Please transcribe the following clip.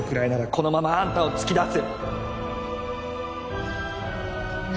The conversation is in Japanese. このままあんたを突き出す